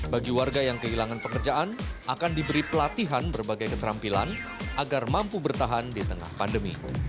bagi warga yang kehilangan pekerjaan akan diberi pelatihan berbagai keterampilan agar mampu bertahan di tengah pandemi